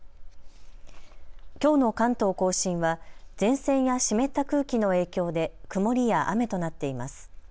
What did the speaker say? きょうの関東甲信は前線や湿った空気の影響で曇りや雨となっています。